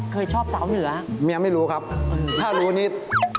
เคยครับชอบ